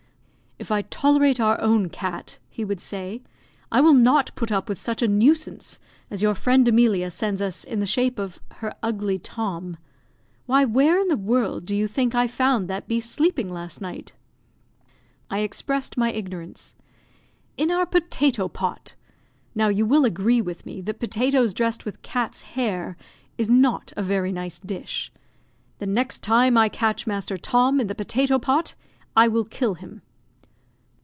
"If I tolerate our own cat," he would say, "I will not put up with such a nuisance as your friend Emilia sends us in the shape of her ugly Tom. Why, where in the world do you think I found that beast sleeping last night?" I expressed my ignorance. "In our potato pot. Now, you will agree with me that potatoes dressed with cat's hair is not a very nice dish. The next time I catch Master Tom in the potato pot, I will kill him."